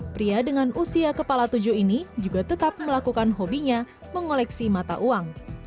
pria dengan usia kepala tujuh ini juga tetap melakukan hobinya mengoleksi mata uang